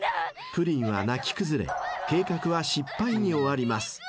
［プリンは泣き崩れ計画は失敗に終わります］